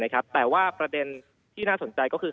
แต่ว่าประเด็นที่น่าสนใจก็คือ